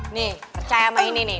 ini percaya sama ini nih